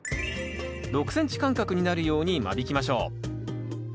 ６ｃｍ間隔になるように間引きましょう。